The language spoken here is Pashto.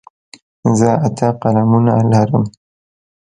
زه اته قلمونه لرم.